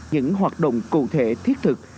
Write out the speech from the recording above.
những hoạt động cụ thể thiết thực